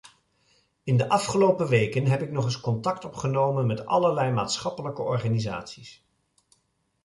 In de afgelopen weken heb ik nog eens contact opgenomen met allerlei maatschappelijke organisaties.